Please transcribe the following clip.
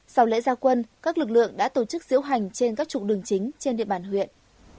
sau lễ gia quân các lực lượng đã tổ chức diễu hành trên các trục đường chính trên địa bàn huyện